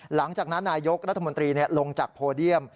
หลังจากนั้นนายกรัฐมนตรีลงจากโพเดียม